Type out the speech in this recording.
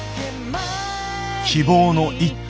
希望の一手。